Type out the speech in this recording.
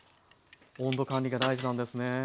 温度管理が大事なんですね。